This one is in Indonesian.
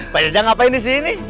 pak jajang ngapain disini